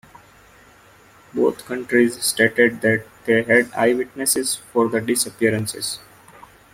Both countries stated that they had eyewitnesses for the disappearances.